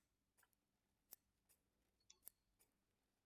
— Йошкарушменым йӱштылемыш огыт ешаре огыл мо?